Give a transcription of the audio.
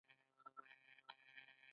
ایا بادام مو پړسیږي؟